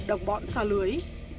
đồng bọn xa lưới